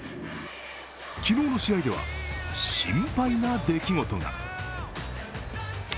昨日の試合では心配な出来事が。